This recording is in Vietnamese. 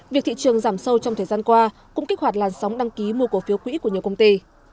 việc thị trường giảm sâu trong thời gian qua cũng kích hoạt làn sóng đăng ký mua cổ phiếu quỹ của nhiều công ty